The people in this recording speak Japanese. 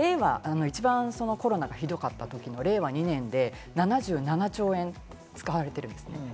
コロナが一番ひどかった時の令和２年で７７兆円使われているんです。